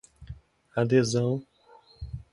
adesão